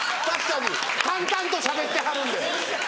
確かに淡々としゃべってはるんで。